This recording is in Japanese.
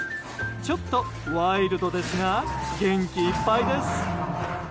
ちょっとワイルドですが元気いっぱいです。